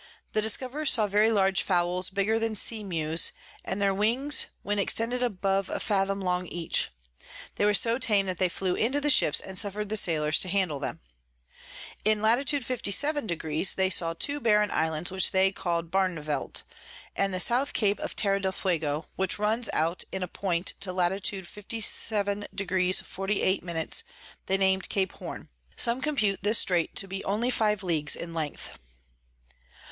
The Discoverers saw very large Fowls bigger than Sea Mews, and their Wings when extended above a Fathom long each. They were so tame that they flew into the Ships, and suffer'd the Sailors to handle them. In Lat. 57. they saw two barren Islands, which they call'd Barnevelt; and the South Cape of Terra del Fuego, which runs out in a Point to Lat. 57. 48. they nam'd Cape Horne. Some compute this Strait to be only 5 Leagues in Length.